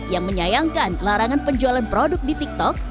yang menyayangkan larangan penjualan produk di tiktok